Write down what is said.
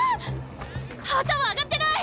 旗は上がってない！